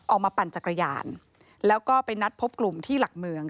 ปั่นจักรยานแล้วก็ไปนัดพบกลุ่มที่หลักเมือง